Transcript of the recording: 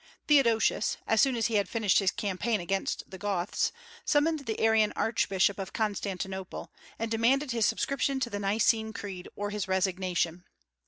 Theodosius, as soon as he had finished his campaign against the Goths, summoned the Arian archbishop of Constantinople, and demanded his subscription to the Nicene Creed or his resignation.